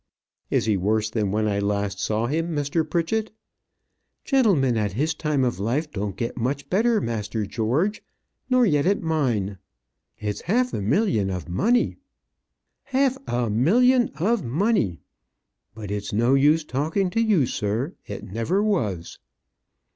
"Is he worse than when I last saw him, Mr. Pritchett?" "Gentlemen at his time of life don't get much better, master George nor yet at mine. It's half a million of money; half a million of money! But it's no use talking to you, sir it never was."